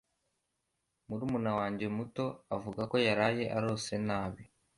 Murumuna wanjye muto avuga ko yaraye arose nabi.